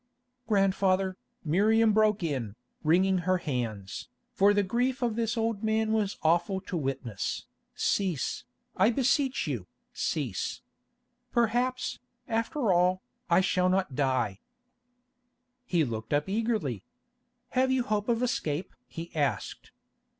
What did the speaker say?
"Grandfather," Miriam broke in, wringing her hands, for the grief of this old man was awful to witness, "cease, I beseech you, cease. Perhaps, after all, I shall not die." He looked up eagerly. "Have you hope of escape?" he asked.